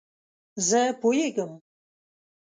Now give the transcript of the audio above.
زه پوهیږم